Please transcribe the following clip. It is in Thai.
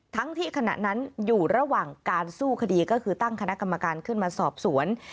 ทั้งที่ขณะนั้นอยู่ระหว่างการสู้คดีก็คือตั้งคณะกรรมการขึ้นมาสอบสวน